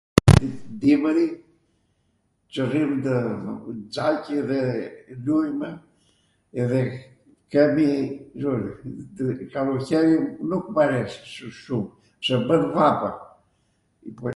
Dimwrin qw rrim ndw xaq ... dhe ljujmw edhe kemi ... nuk m' ares shum, se bwn vapw